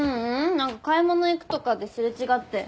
何か買い物行くとかで擦れ違って。